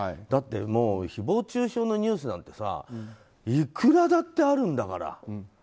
だって誹謗中傷のニュースなんていくらだってあるんだから。